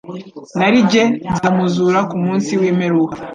narijye nzamuzura ku munsi w'imperuka.»